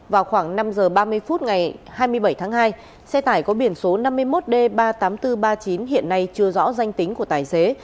vào khoảng năm giờ ba mươi phút ngày hai mươi bảy tháng hai xe tải có biển số năm mươi một d ba mươi tám nghìn bốn trăm ba mươi chín hiện nay chưa rõ danh tính của tài xế